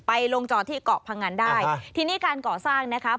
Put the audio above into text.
ไปลงจอดที่เกาะพังงานได้ทีนี้การเกาะสร้างนะคะ